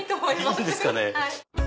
いいんですかね。